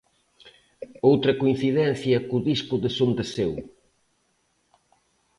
Outra coincidencia co disco de Sondeseu...